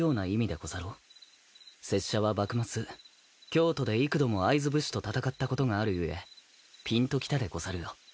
拙者は幕末京都で幾度も会津武士と戦ったことがある故ぴんときたでござるよ。